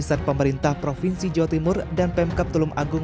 saat pemerintah provinsi jawa timur dan pemkap tulung agung